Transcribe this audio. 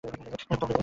একটা কথা বলে যাই।